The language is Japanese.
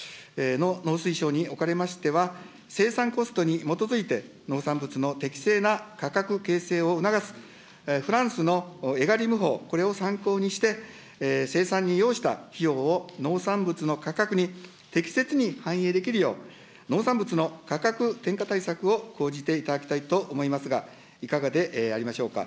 農水省におかれましては、生産コストに基づいて農産物の適正な価格形成を促す、フランスのエガリム法、これを参考にして、生産に要した費用を農産物の価格に適切に反映できるよう、農産物の価格転嫁対策を講じていただきたいと思いますが、いかがでありましょうか。